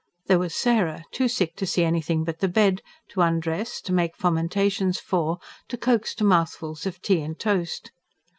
There was Sarah, too sick to see anything but the bed, to undress, to make fomentations for, to coax to mouthfuls of tea and toast.